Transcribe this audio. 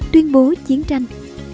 tuyên bố chiến tranh